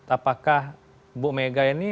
apakah bu mega ini